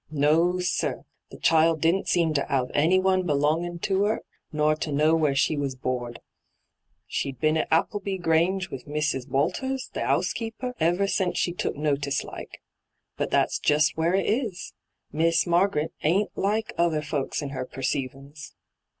No, sir, the child didn't seem to 'ave anyone belongin' to 'er, nor to know where she was horned — she'd been at Appleby Grange with Mrs. Walters, Hne 'ousekeeper, ever since she took notice like. But that's just where it is : Mias Marg'ret ain't like other folks in her per ceivin's.